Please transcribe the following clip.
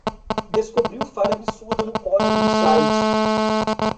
Descobriu falha absurda no código do site